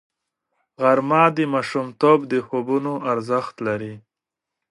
غرمه د ماشومتوب د خوبونو ارزښت لري